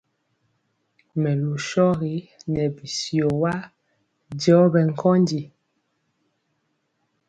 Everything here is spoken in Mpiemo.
Mɛlu shɔgi nɛ bityio wa njɔɔ bɛ nkondi.